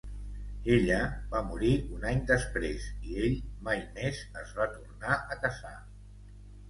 Ella va morir un any després i ell mai més es va tornar a casar.